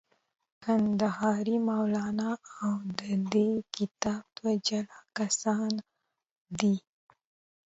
کندهاری مولانا او د دې کتاب دوه جلا کسان دي.